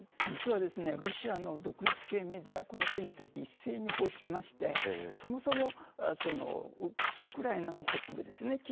実は、ロシアの独立系メディアはこの件について一斉に報じていてそもそもウクライナの北部ですよね。